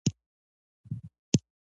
ټولې سترې ادارې په ګډو باورونو ولاړې دي.